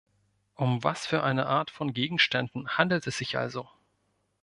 Um was für eine Art von Gegenständen handelt es sich also?